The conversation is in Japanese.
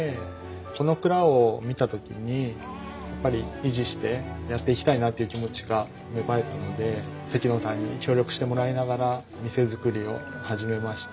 この蔵を見た時にやっぱり維持してやっていきたいなっていう気持ちが芽生えたので関野さんに協力してもらいながら店づくりを始めました。